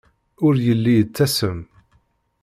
Ur yelli yettasem.